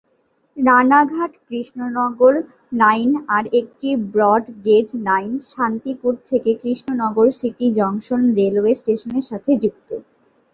Ranaghat-Krishnanagar line আর একটি broad gauge line Shantipur থেকে Krishnanagar city junction railway স্টেশনের সাথে যুক্ত।